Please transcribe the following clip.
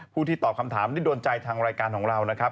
ที่ตอบคำถามที่โดนใจทางรายการของเรานะครับ